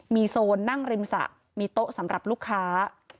มีโซนนั่งริมสระมีโต๊ะสำหรับลูกค้า